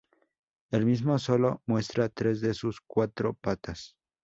El mismo solo muestra tres de sus cuatro patas.